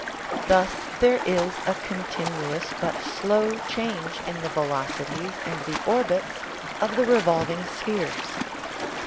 Thus there is a continuous but slow change in the velocities and the orbits of the revolving spheres.